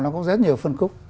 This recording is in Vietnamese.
nó cũng rất nhiều phân khúc